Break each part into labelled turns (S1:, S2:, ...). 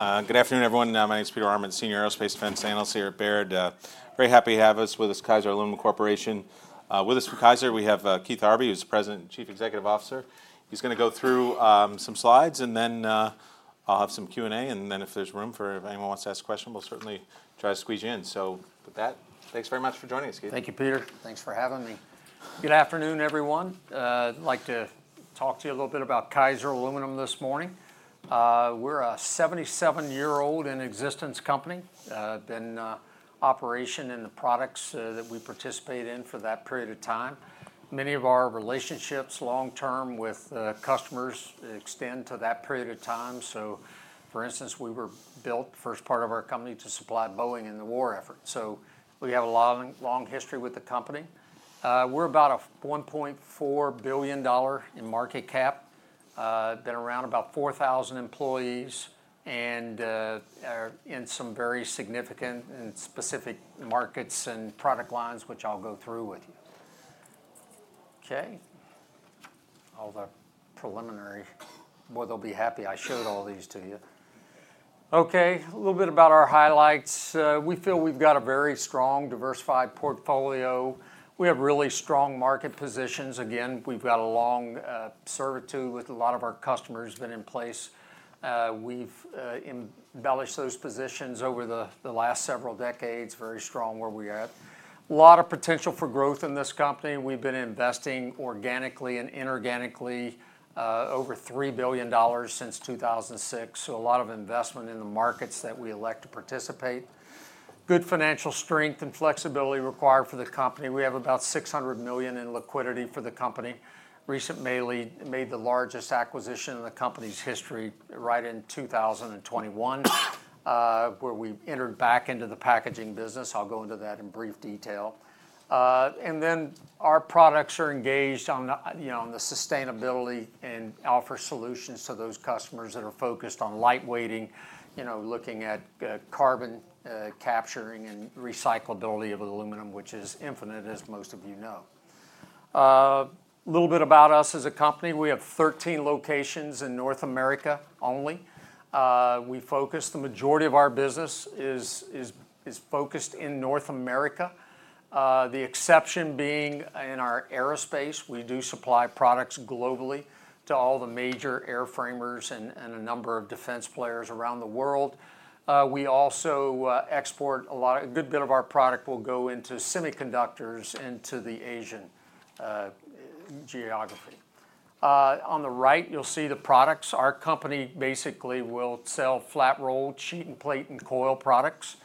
S1: Good afternoon, everyone. My name is Peter Arment, Senior Aerospace Defense Analyst here at Baird. Very happy to have us with this Kaiser Aluminum Corporation. With us from Kaiser, we have Keith Harvey, who's the President and Chief Executive Officer. He's going to go through some slides, and then I'll have some Q&A. And then if anyone wants to ask a question, we'll certainly try to squeeze you in. So, with that, thanks very much for joining us, Keith.
S2: Thank you, Peter. Thanks for having me. Good afternoon, everyone. I'd like to talk to you a little bit about Kaiser Aluminum this morning. We're a 77-year-old company in existence. We've been in operation in the products that we participate in for that period of time. Many of our long-term relationships with customers extend to that period of time. So, for instance, we were built, the first part of our company, to supply Boeing in the war effort. So, we have a long history with the company. We're about a $1.4 billion in market cap. We have about 4,000 employees and in some very significant and specific markets and product lines, which I'll go through with you. Okay. All the preliminary, boy, they'll be happy I showed all these to you. Okay, a little bit about our highlights. We feel we've got a very strong, diversified portfolio. We have really strong market positions. Again, we've got a long service with a lot of our customers that are in place. We've enhanced those positions over the last several decades, very strong where we're at. A lot of potential for growth in this company. We've been investing organically and inorganically over $3 billion since 2006. So, a lot of investment in the markets that we elect to participate. Good financial strength and flexibility required for the company. We have about $600 million in liquidity for the company. Recently we made the largest acquisition in the company's history back in 2021, where we entered back into the packaging business. I'll go into that in brief detail. And then our products are engaged on the sustainability and offer solutions to those customers that are focused on lightweighting, looking at carbon capture and recyclability of aluminum, which is infinite, as most of you know. A little bit about us as a company: We have 13 locations in North America only. The majority of our business is focused in North America, the exception being in our aerospace. We do supply products globally to all the major airframers and a number of defense players around the world. We also export a good bit of our product into semiconductors and to Asian geography. On the right, you'll see the products. Our company basically will sell flat-rolled, sheet and plate, and coil products.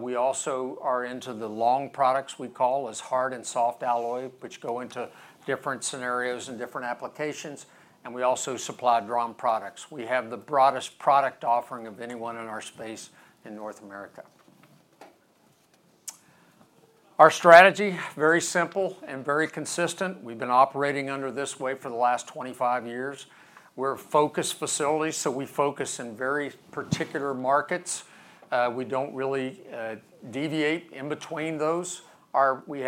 S2: We also are into the long products we call as hard and soft alloy, which go into different scenarios and different applications, and we also supply drawn products. We have the broadest product offering of anyone in our space in North America. Our strategy is very simple and very consistent. We've been operating under this way for the last 25 years. We're a focused facility, so we focus in very particular markets. We don't really deviate in between those. We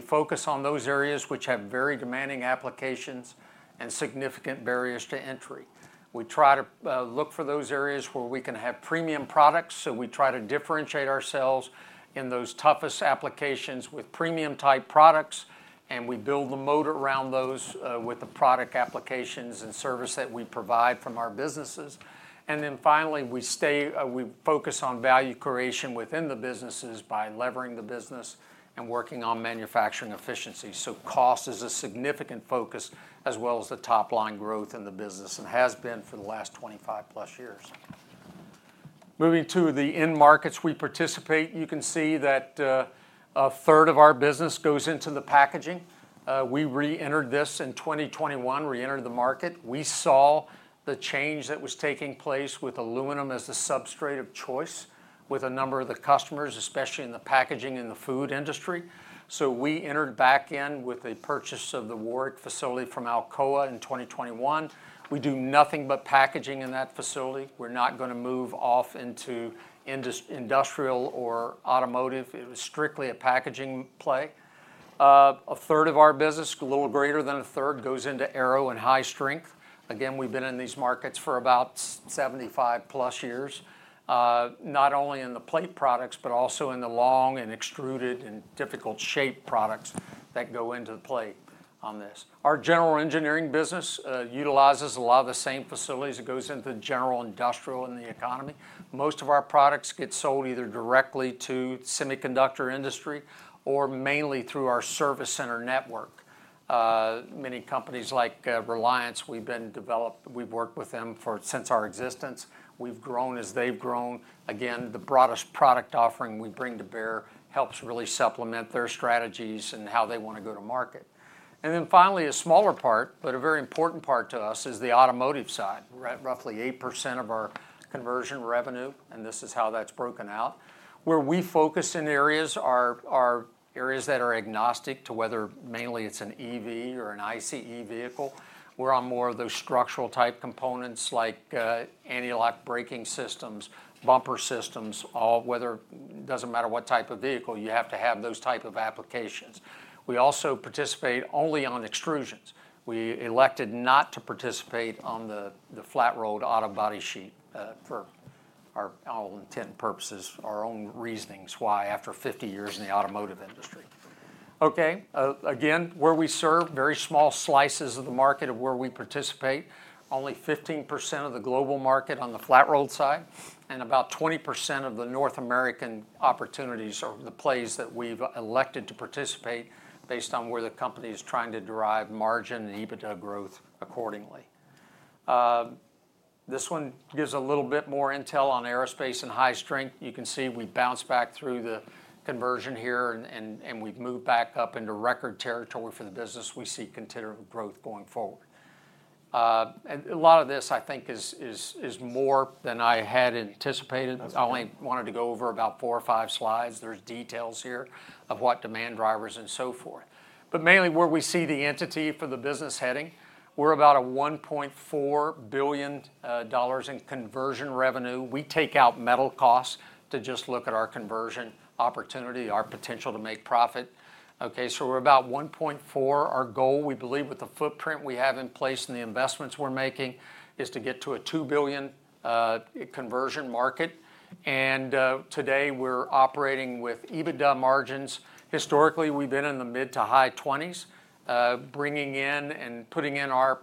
S2: focus on those areas which have very demanding applications and significant barriers to entry. We try to look for those areas where we can have premium products, so we try to differentiate ourselves in those toughest applications with premium-type products, and we build the moat around those with the product applications and service that we provide from our businesses. We focus on value creation within the businesses by leveraging the business and working on manufacturing efficiency. Cost is a significant focus, as well as the top-line growth in the business and has been for the last 25-plus years. Moving to the end markets we participate, you can see that a third of our business goes into the packaging. We re-entered this in 2021, re-entered the market. We saw the change that was taking place with aluminum as the substrate of choice with a number of the customers, especially in the packaging and the food industry. We entered back in with the purchase of the Warrick facility from Alcoa in 2021. We do nothing but packaging in that facility. We're not going to move off into industrial or automotive. It was strictly a packaging play. A third of our business, a little greater than a third, goes into aero and high strength. Again, we've been in these markets for about 75-plus years, not only in the plate products, but also in the long and extruded and difficult-shaped products that go into the plate on this. Our general engineering business utilizes a lot of the same facilities. It goes into the general industrial and the economy. Most of our products get sold either directly to the semiconductor industry or mainly through our service center network. Many companies like Reliance; we've developed. We've worked with them since our existence. We've grown as they've grown. Again, the broadest product offering we bring to bear helps really supplement their strategies and how they want to go to market. And then finally, a smaller part, but a very important part to us, is the automotive side. Roughly 8% of our conversion revenue, and this is how that's broken out. Where we focus in areas are areas that are agnostic to whether mainly it's an EV or an ICE vehicle. We're on more of those structural-type components like anti-lock braking systems, bumper systems, all whether it doesn't matter what type of vehicle, you have to have those type of applications. We also participate only on extrusions. We elected not to participate on the flat rolled auto body sheet for our own intent and purposes, our own reasonings why after 50 years in the automotive industry. Okay. Again, where we serve, very small slices of the market of where we participate, only 15% of the global market on the flat rolled side, and about 20% of the North American opportunities are the plays that we've elected to participate based on where the company is trying to derive margin and EBITDA growth accordingly. This one gives a little bit more intel on aerospace and high strength. You can see we bounced back through the conversion here, and we've moved back up into record territory for the business. We see considerable growth going forward, and a lot of this, I think, is more than I had anticipated. I only wanted to go over about four or five slides. There's details here of what demand drivers and so forth, but mainly where we see the entity for the business heading, we're about a $1.4 billion in conversion revenue. We take out metal costs to just look at our conversion opportunity, our potential to make profit. Okay, so we're about $1.4 billion. Our goal, we believe, with the footprint we have in place and the investments we're making, is to get to a $2 billion conversion market, and today we're operating with EBITDA margins. Historically, we've been in the mid to high 20s%, bringing in and putting in our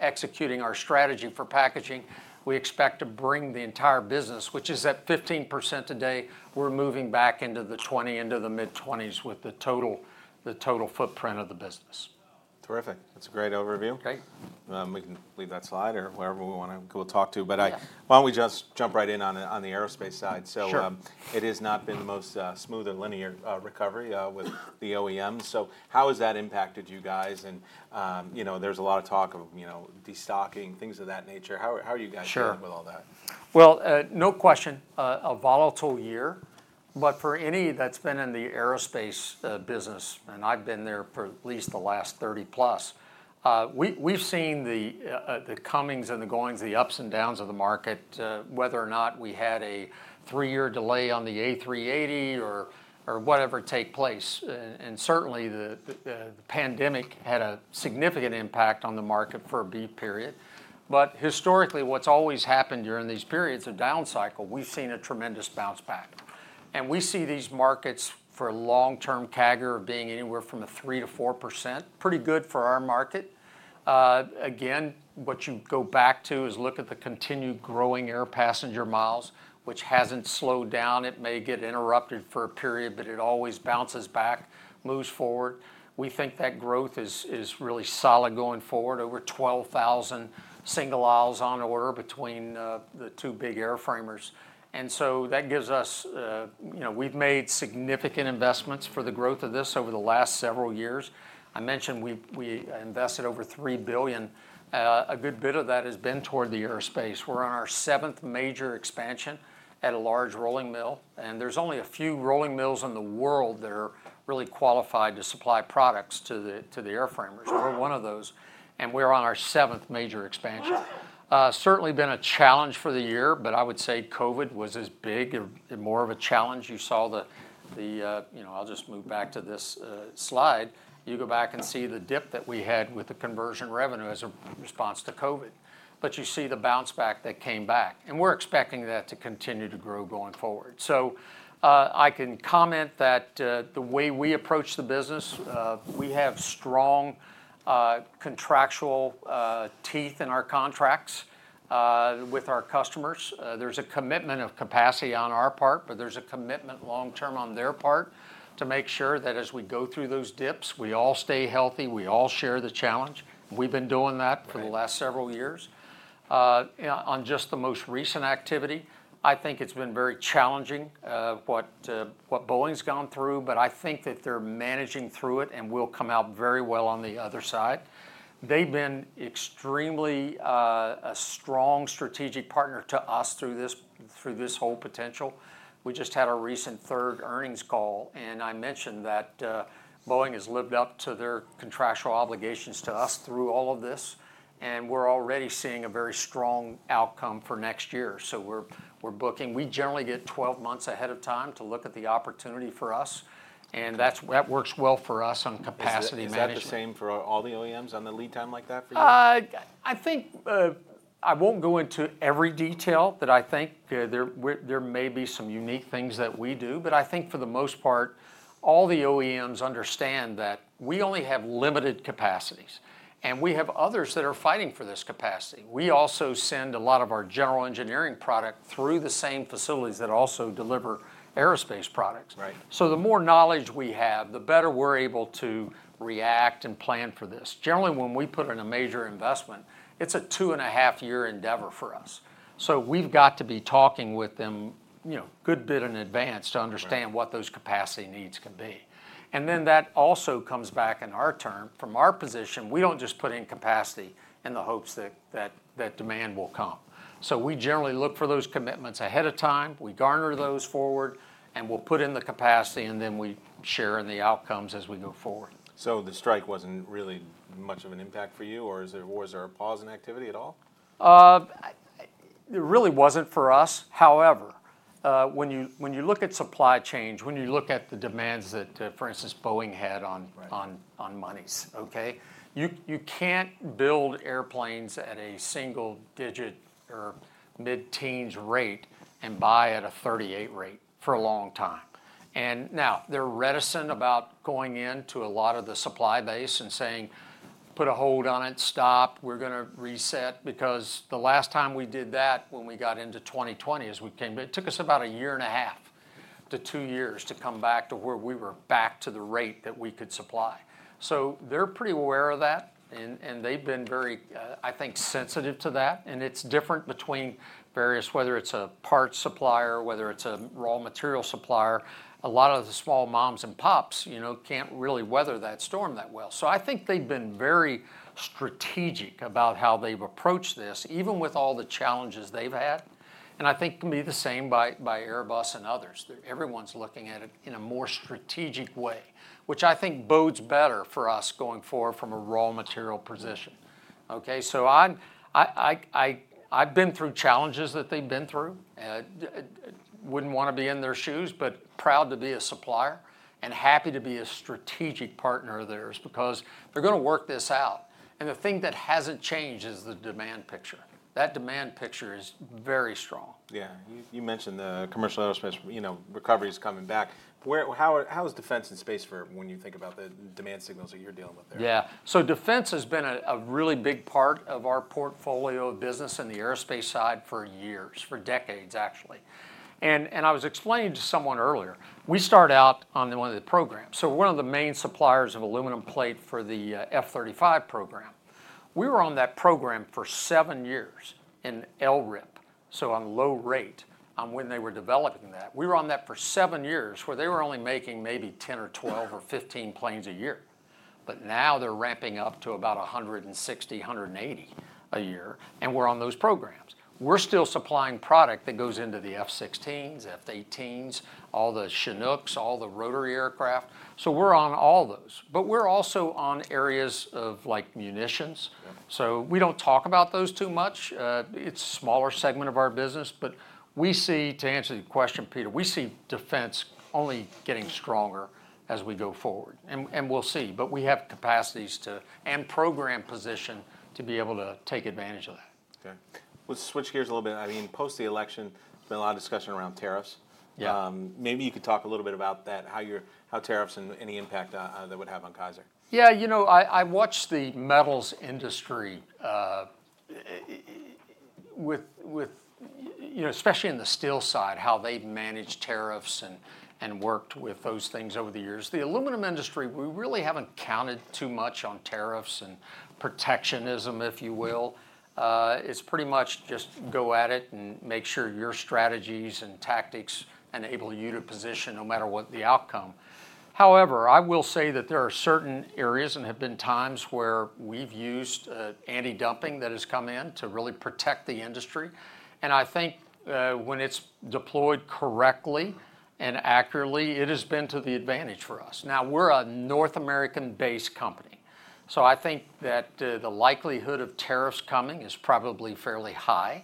S2: executing our strategy for packaging. We expect to bring the entire business, which is at 15% today. We're moving back into the 20%, into the mid-20s% with the total footprint of the business.
S1: Terrific. That's a great overview.
S2: Great.
S1: We can leave that slide or wherever we want to go talk to. But why don't we just jump right in on the aerospace side?
S2: Sure.
S1: So, it has not been the most smooth or linear recovery with the OEM. So, how has that impacted you guys? And there's a lot of talk of destocking, things of that nature. How are you guys doing with all that?
S2: Sure. No question, a volatile year, but for anyone that's been in the aerospace business, and I've been there for at least the last 30+ years, we've seen the comings and the goings, the ups and downs of the market, whether or not we had a three-year delay on the A380 or whatever take place, and certainly, the pandemic had a significant impact on the market for a brief period, but historically, what's always happened during these periods of down cycle, we've seen a tremendous bounce back, and we see these markets for long-term CAGR being anywhere from a 3%-4%, pretty good for our market. Again, what you go back to is look at the continued growing air passenger miles, which hasn't slowed down. It may get interrupted for a period, but it always bounces back, moves forward. We think that growth is really solid going forward, over 12,000 single aisles on order between the two big airframers. And so, that gives us. We've made significant investments for the growth of this over the last several years. I mentioned we invested over $3 billion. A good bit of that has been toward the aerospace. We're on our seventh major expansion at a large rolling mill. And there's only a few rolling mills in the world that are really qualified to supply products to the airframers. We're one of those. And we're on our seventh major expansion. Certainly been a challenge for the year, but I would say COVID was as big, more of a challenge. You saw the. I'll just move back to this slide. You go back and see the dip that we had with the conversion revenue as a response to COVID. But you see the bounce back that came back. And we're expecting that to continue to grow going forward. So, I can comment that the way we approach the business, we have strong contractual teeth in our contracts with our customers. There's a commitment of capacity on our part, but there's a commitment long-term on their part to make sure that as we go through those dips, we all stay healthy, we all share the challenge. We've been doing that for the last several years. On just the most recent activity, I think it's been very challenging what Boeing's gone through, but I think that they're managing through it and will come out very well on the other side. They've been extremely a strong strategic partner to us through this whole potential. We just had our recent third earnings call. And I mentioned that Boeing has lived up to their contractual obligations to us through all of this. And we're already seeing a very strong outcome for next year. So, we're booking. We generally get 12 months ahead of time to look at the opportunity for us. And that works well for us on capacity management.
S1: Is that the same for all the OEMs on the lead time like that for you?
S2: I think I won't go into every detail, but I think there may be some unique things that we do. But I think for the most part, all the OEMs understand that we only have limited capacities. And we have others that are fighting for this capacity. We also send a lot of our general engineering product through the same facilities that also deliver aerospace products.
S1: Right.
S2: So, the more knowledge we have, the better we're able to react and plan for this. Generally, when we put in a major investment, it's a two-and-a-half-year endeavor for us. So, we've got to be talking with them a good bit in advance to understand what those capacity needs can be. And then that also comes back in our term. From our position, we don't just put in capacity in the hopes that demand will come. So, we generally look for those commitments ahead of time. We garner those forward, and we'll put in the capacity, and then we share in the outcomes as we go forward.
S1: So, the strike wasn't really much of an impact for you, or was there a pause in activity at all?
S2: There really wasn't for us. However, when you look at supply chain, when you look at the demands that, for instance, Boeing had on moneys, okay, you can't build airplanes at a single-digit or mid-teens rate and buy at a 38 rate for a long time. And now they're reticent about going into a lot of the supply base and saying, "Put a hold on it, stop, we're going to reset," because the last time we did that when we got into 2020 is it took us about a year and a half to two years to come back to where we were back to the rate that we could supply. So, they're pretty aware of that. And they've been very, I think, sensitive to that. And it's different between various whether it's a parts supplier, whether it's a raw material supplier. A lot of the small moms and pops can't really weather that storm that well. So, I think they've been very strategic about how they've approached this, even with all the challenges they've had. And I think it can be the same by Airbus and others. Everyone's looking at it in a more strategic way, which I think bodes better for us going forward from a raw material position. Okay, so I've been through challenges that they've been through. Wouldn't want to be in their shoes, but proud to be a supplier and happy to be a strategic partner of theirs because they're going to work this out. And the thing that hasn't changed is the demand picture. That demand picture is very strong.
S1: Yeah. You mentioned the commercial aerospace recovery is coming back. How is defense and space for when you think about the demand signals that you're dealing with there?
S2: Yeah. So, defense has been a really big part of our portfolio of business in the aerospace side for years, for decades, actually. And I was explaining to someone earlier, we start out on one of the programs. So, we're one of the main suppliers of aluminum plate for the F-35 program. We were on that program for seven years in LRIP, so on low rate, when they were developing that. We were on that for seven years where they were only making maybe 10 planes or 12 planes or 15 planes a year. But now they're ramping up to about 160 planes, 180 planes a year. And we're on those programs. We're still supplying product that goes into the F-16s, F-18s, all the Chinooks, all the rotary aircraft. So, we're on all those. But we're also on areas of like munitions. So, we don't talk about those too much. It's a smaller segment of our business, but we see, to answer your question, Peter, we see defense only getting stronger as we go forward, and we'll see, but we have capacities to and program position to be able to take advantage of that.
S1: Okay. Let's switch gears a little bit. I mean, post the election, there's been a lot of discussion around tariffs.
S2: Yeah.
S1: Maybe you could talk a little bit about that, how tariffs and any impact that would have on Kaiser.
S2: Yeah. You know, I watched the metals industry with, especially in the steel side, how they've managed tariffs and worked with those things over the years. The aluminum industry, we really haven't counted too much on tariffs and protectionism, if you will. It's pretty much just go at it and make sure your strategies and tactics enable you to position no matter what the outcome. However, I will say that there are certain areas, and there have been times where we've used anti-dumping that has come in to really protect the industry. And I think when it's deployed correctly and accurately, it has been to the advantage for us. Now, we're a North American-based company. So, I think that the likelihood of tariffs coming is probably fairly high.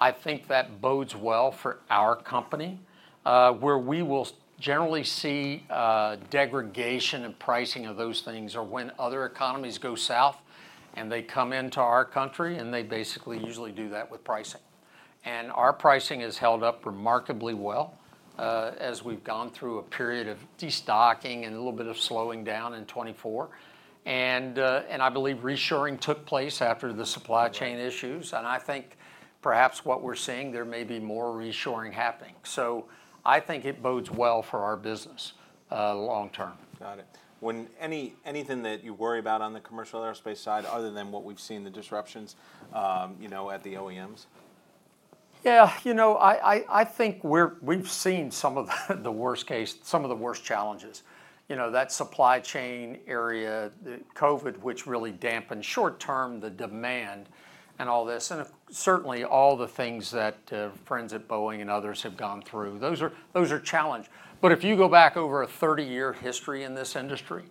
S2: I think that bodes well for our company, where we will generally see degradation in pricing of those things or when other economies go south and they come into our country, and they basically usually do that with pricing. And our pricing has held up remarkably well as we've gone through a period of destocking and a little bit of slowing down in 2024. And I believe reshoring took place after the supply chain issues. And I think perhaps what we're seeing, there may be more reshoring happening. So, I think it bodes well for our business long-term.
S1: Got it. Anything that you worry about on the commercial aerospace side other than what we've seen, the disruptions at the OEMs?
S2: Yeah. You know, I think we've seen some of the worst case, some of the worst challenges. You know, that supply chain area, COVID, which really dampened short-term the demand and all this. And certainly all the things that friends at Boeing and others have gone through, those are challenges. But if you go back over a 30-year history in this industry,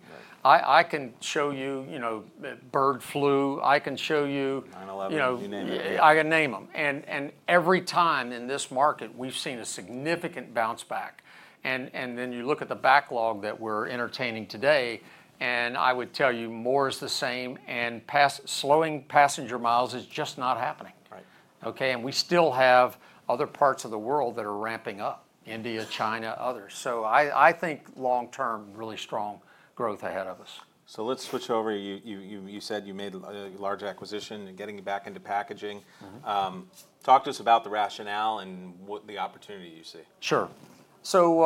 S2: I can show you bird flu. I can show you.
S1: 9/11, you name it.
S2: I can name them. And every time in this market, we've seen a significant bounce back. And then you look at the backlog that we're entertaining today, and I would tell you more is the same. And slowing passenger miles is just not happening.
S1: Right.
S2: Okay, and we still have other parts of the world that are ramping up, India, China, others, so I think long-term, really strong growth ahead of us.
S1: So, let's switch over. You said you made a large acquisition and getting back into packaging. Talk to us about the rationale and what the opportunity you see.
S2: Sure. So,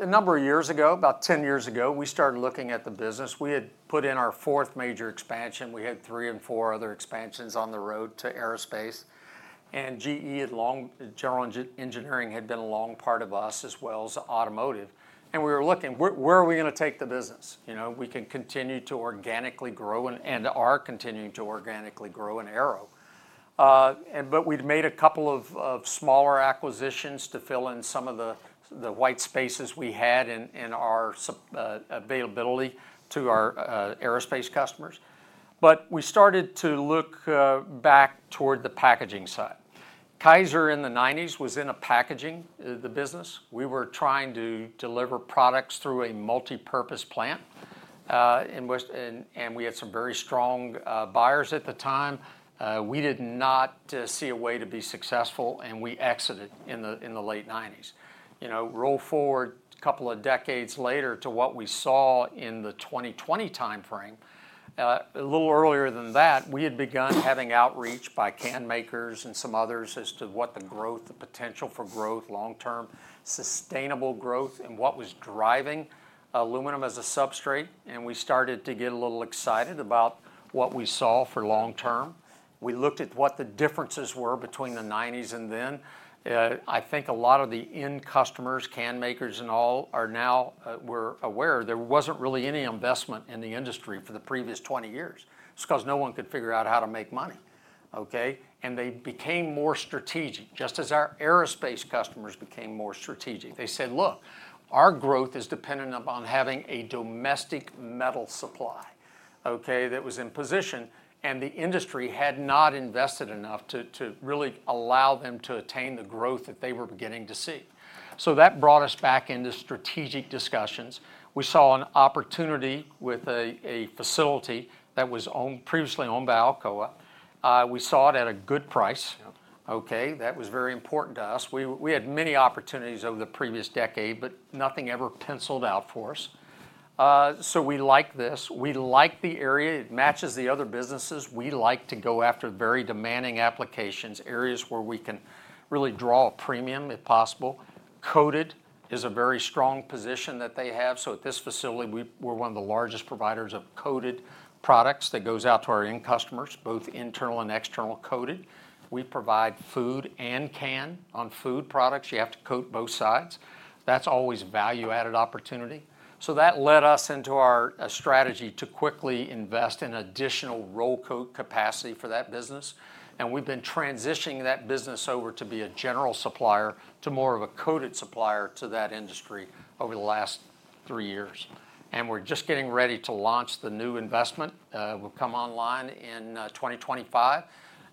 S2: a number of years ago, about 10 years ago, we started looking at the business. We had put in our fourth major expansion. We had three and four other expansions on the road to aerospace. And GE had long general engineering had been a long part of us as well as automotive. And we were looking, where are we going to take the business? We can continue to organically grow and are continuing to organically grow in aero. But we'd made a couple of smaller acquisitions to fill in some of the white spaces we had in our availability to our aerospace customers. But we started to look back toward the packaging side. Kaiser in the 1990s was in a packaging business. We were trying to deliver products through a multipurpose plant. And we had some very strong buyers at the time. We did not see a way to be successful, and we exited in the late 1990s. Roll forward a couple of decades later to what we saw in the 2020 timeframe. A little earlier than that, we had begun having outreach by canmakers and some others as to what the growth, the potential for growth long-term, sustainable growth, and what was driving aluminum as a substrate, and we started to get a little excited about what we saw for long-term. We looked at what the differences were between the 1990s and then. I think a lot of the end customers, canmakers and all, are now aware there wasn't really any investment in the industry for the previous 20 years. It's because no one could figure out how to make money. Okay, and they became more strategic, just as our aerospace customers became more strategic. They said, "Look, our growth is dependent upon having a domestic metal supply, okay, that was in position," and the industry had not invested enough to really allow them to attain the growth that they were beginning to see, so, that brought us back into strategic discussions. We saw an opportunity with a facility that was previously owned by Alcoa. We saw it at a good price. Okay. That was very important to us. We had many opportunities over the previous decade, but nothing ever penciled out for us, so, we like this. We like the area. It matches the other businesses. We like to go after very demanding applications, areas where we can really draw a premium if possible. Coated is a very strong position that they have. So, at this facility, we're one of the largest providers of coated products that goes out to our end customers, both internal and external coated. We provide food and canned food products. You have to coat both sides. That's always value-added opportunity. So, that led us into our strategy to quickly invest in additional roll coat capacity for that business. And we've been transitioning that business over to be a general supplier to more of a coated supplier to that industry over the last three years. And we're just getting ready to launch the new investment. We'll come online in 2025.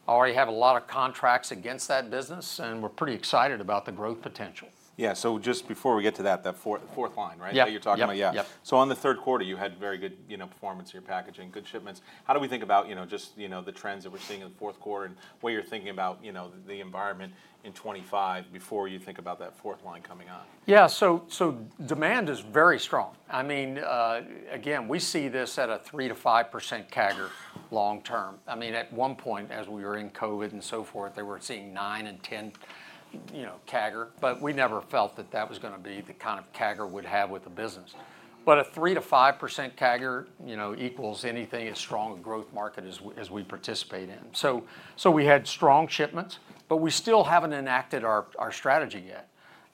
S2: I already have a lot of contracts against that business, and we're pretty excited about the growth potential.
S1: Yeah. So, just before we get to that, that fourth line, right?
S2: Yeah.
S1: That you're talking about. Yeah. So, on the third quarter, you had very good performance in your packaging, good shipments. How do we think about just the trends that we're seeing in the fourth quarter and what you're thinking about the environment in 2025 before you think about that fourth line coming on?
S2: Yeah. So, demand is very strong. I mean, again, we see this at a 3%-5% CAGR long-term. I mean, at one point, as we were in COVID and so forth, they were seeing 9%-10% CAGR. But we never felt that that was going to be the kind of CAGR would have with the business. But a 3%-5% CAGR equals anything as strong a growth market as we participate in. So, we had strong shipments, but we still haven't enacted our strategy yet.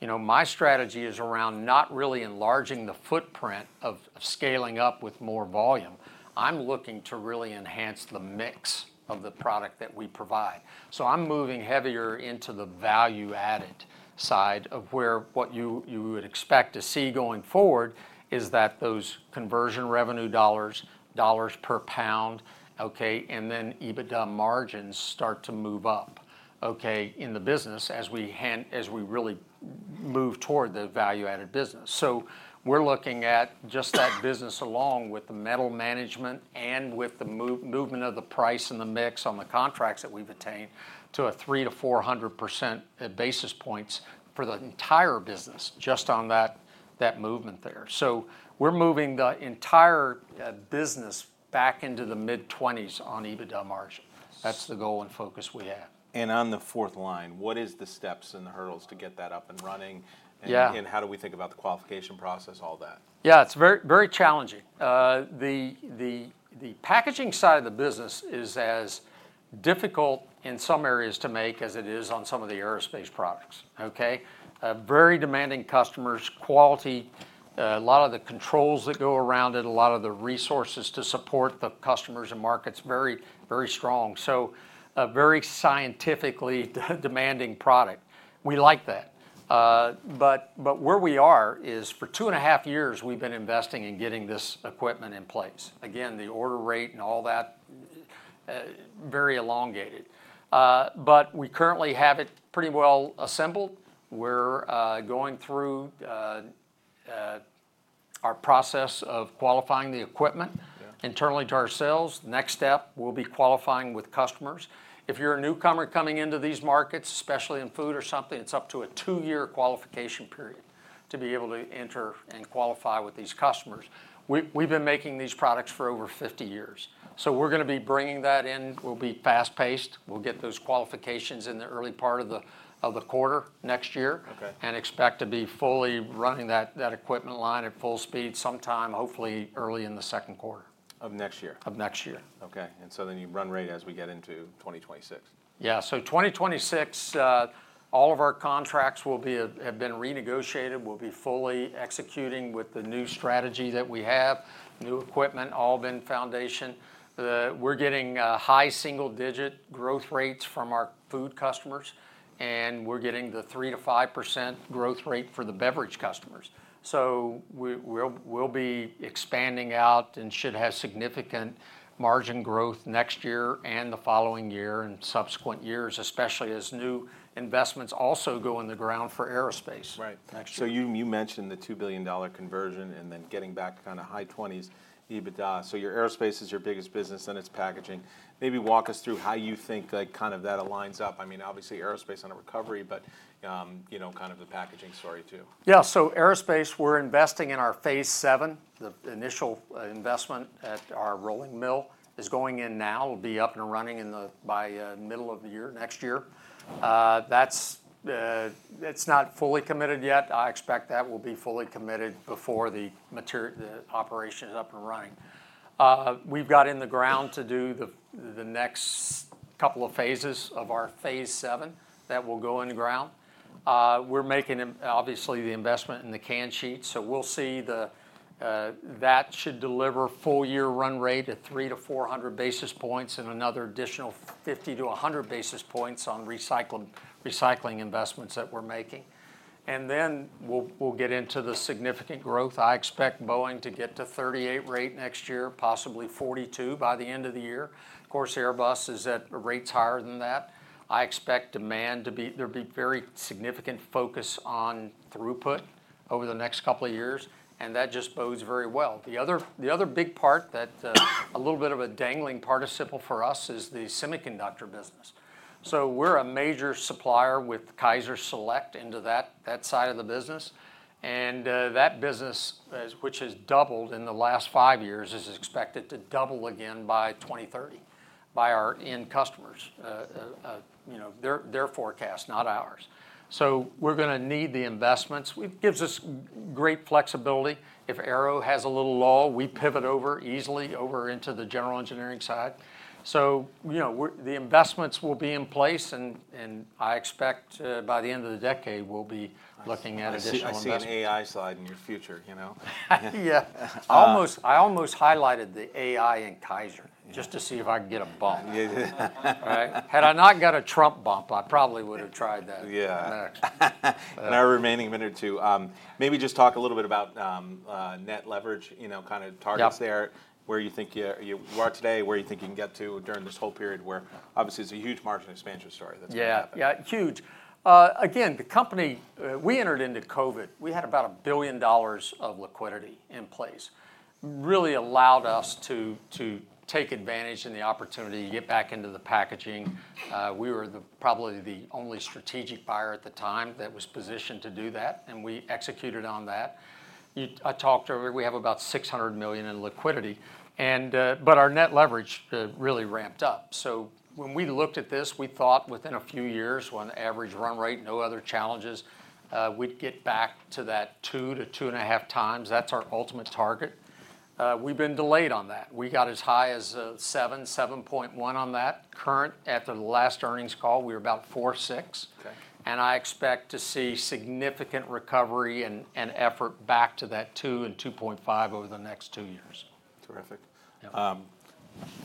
S2: My strategy is around not really enlarging the footprint of scaling up with more volume. I'm looking to really enhance the mix of the product that we provide. I'm moving heavier into the value-added side of where what you would expect to see going forward is that those conversion revenue dollars, dollars per pound, okay, and then EBITDA margins start to move up, okay, in the business as we really move toward the value-added business. We're looking at just that business along with the metal management and with the movement of the price and the mix on the contracts that we've attained 300-400 basis points for the entire business just on that movement there. We're moving the entire business back into the mid-20s on EBITDA margin. That's the goal and focus we have.
S1: On the fourth line, what is the steps and the hurdles to get that up and running?
S2: Yeah.
S1: How do we think about the qualification process, all that?
S2: Yeah. It's very challenging. The packaging side of the business is as difficult in some areas to make as it is on some of the aerospace products. Okay. Very demanding customers, quality, a lot of the controls that go around it, a lot of the resources to support the customers and markets, very, very strong. So, a very scientifically demanding product. We like that. But where we are is for two and a half years, we've been investing in getting this equipment in place. Again, the order rate and all that, very elongated. But we currently have it pretty well assembled. We're going through our process of qualifying the equipment internally to ourselves. Next step, we'll be qualifying with customers. If you're a newcomer coming into these markets, especially in food or something, it's up to a two-year qualification period to be able to enter and qualify with these customers. We've been making these products for over 50 years. So, we're going to be bringing that in. We'll be fast-paced. We'll get those qualifications in the early part of the quarter next year and expect to be fully running that equipment line at full speed sometime, hopefully early in the second quarter.
S1: Of next year?
S2: Of next year.
S1: Okay. And so then you run rate as we get into 2026?
S2: Yeah. So, 2026, all of our contracts will have been renegotiated. We'll be fully executing with the new strategy that we have, new equipment, all been foundational. We're getting high single-digit growth rates from our food customers, and we're getting the 3%-5% growth rate for the beverage customers. So, we'll be expanding out and should have significant margin growth next year and the following year and subsequent years, especially as new investments also go in the ground for aerospace.
S1: Right. So, you mentioned the $2 billion conversion and then getting back kind of high 20s, EBITDA. So, your aerospace is your biggest business and it's packaging. Maybe walk us through how you think kind of that aligns up. I mean, obviously, aerospace on a recovery, but kind of the packaging story too.
S2: Yeah. So, aerospace, we're investing in our phase VII. The initial investment at our rolling mill is going in now. It'll be up and running by middle of the year next year. That's not fully committed yet. I expect that we'll be fully committed before the operation is up and running. We've got to break ground to do the next couple of phases of our phase seven that will break ground. We're making obviously the investment in the can sheet. So, we'll see that should deliver full year run rate at 300-400 basis points and another additional 50-100 basis points on recycling investments that we're making. And then we'll get into the significant growth. I expect Boeing to get to 38 rate next year, possibly 42 by the end of the year. Of course, Airbus is at rates higher than that. I expect demand to be there. There'll be very significant focus on throughput over the next couple of years, and that just bodes very well. The other big part that a little bit of a dangling participle for us is the semiconductor business. So, we're a major supplier with KaiserSelect into that side of the business. And that business, which has doubled in the last five years, is expected to double again by 2030 by our end customers, their forecast, not ours. So, we're going to need the investments. It gives us great flexibility. If aero has a little lull, we pivot over easily over into the general engineering side. So, the investments will be in place, and I expect by the end of the decade, we'll be looking at additional investments.
S1: I'm sure you'll see an AI slide in your future, you know?
S2: Yeah. I almost highlighted the AI in Kaiser just to see if I could get a bump.
S1: Yeah.
S2: All right. Had I not got a Trump bump, I probably would have tried that.
S1: Yeah. In our remaining minute or two, maybe just talk a little bit about net leverage, kind of targets there, where you think you are today, where you think you can get to during this whole period where obviously it's a huge margin expansion story that's going to happen.
S2: Yeah. Yeah, huge. Again, the company we entered into COVID, we had about $1 billion of liquidity in place. Really allowed us to take advantage and the opportunity to get back into the packaging. We were probably the only strategic buyer at the time that was positioned to do that, and we executed on that. I talked to her. We have about $600 million in liquidity. But our net leverage really ramped up. So, when we looked at this, we thought within a few years on the average run rate, no other challenges, we'd get back to that 2-2.5 times. That's our ultimate target. We've been delayed on that. We got as high as 7-7.1 on that current. At the last earnings call, we were about 4.6. I expect to see significant recovery and effort back to that 2-2.5 over the next two years.
S1: Terrific.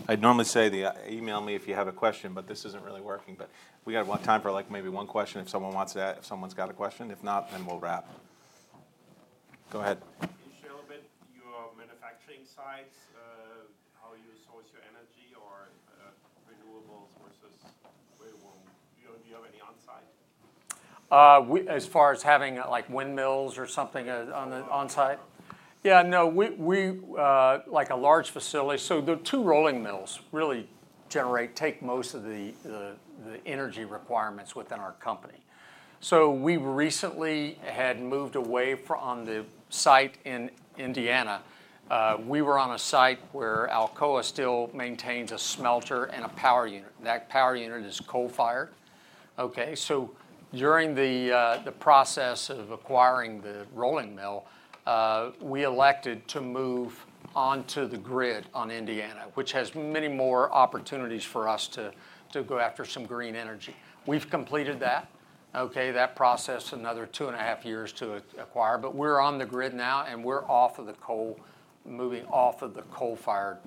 S1: I'd normally say, "Email me if you have a question," but this isn't really working. But we got a lot of time for maybe one question if someone wants to, if someone's got a question. If not, then we'll wrap. Go ahead. Can you share a bit about your manufacturing sites, how you source your energy or renewables versus wind? Do you have any onsite?
S2: As far as having windmills or something onsite? Yeah. No, like a large facility. So, the two rolling mills really generate, take most of the energy requirements within our company. So, we recently had moved away from the site in Indiana. We were on a site where Alcoa still maintains a smelter and a power unit. That power unit is coal-fired. Okay. So, during the process of acquiring the rolling mill, we elected to move onto the grid on Indiana, which has many more opportunities for us to go after some green energy. We've completed that, okay, that process, another two and a half years to acquire. But we're on the grid now, and we're off of the coal, moving off of the coal-fired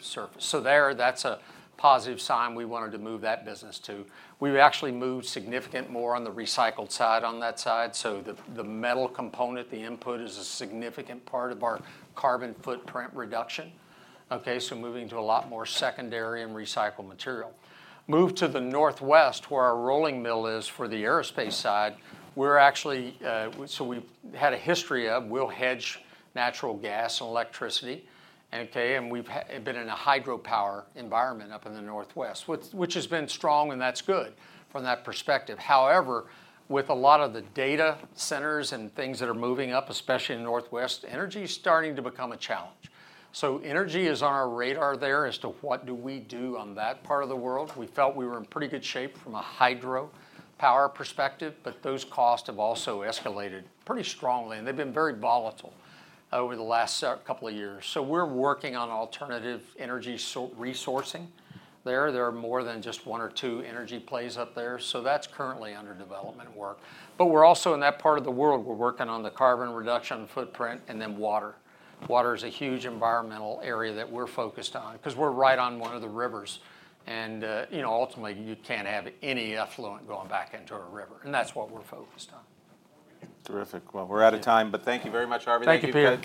S2: source. So, there, that's a positive sign we wanted to move that business to. We've actually moved significant more on the recycled side on that side. The metal component, the input, is a significant part of our carbon footprint reduction. Okay. Moving to a lot more secondary and recycled material. Moved to the Northwest where our rolling mill is for the aerospace side, we're actually, so we had a history of, we'll hedge natural gas and electricity. Okay. We've been in a hydropower environment up in the Northwest, which has been strong, and that's good from that perspective. However, with a lot of the data centers and things that are moving up, especially in the Northwest, energy is starting to become a challenge. Energy is on our radar there as to what do we do on that part of the world. We felt we were in pretty good shape from a hydropower perspective, but those costs have also escalated pretty strongly, and they've been very volatile over the last couple of years. We're working on alternative energy resourcing there. There are more than just one or two energy plays up there. That's currently under development work. We're also in that part of the world. We're working on the carbon reduction footprint and then water. Water is a huge environmental area that we're focused on because we're right on one of the rivers. Ultimately, you can't have any effluent going back into a river, and that's what we're focused on.
S1: Terrific. Well, we're out of time, but thank you very much, Arment.
S2: Thank you, Peter.